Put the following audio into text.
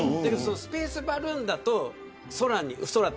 スペースバルーンだとそらに行く。